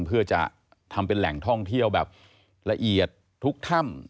เพื่อจะทำเป็นแหล่งท่องเที่ยวแบบละเอียดทุกถ้ำ